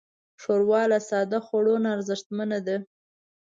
ښوروا له ساده خوړو نه ارزښتمنه ده.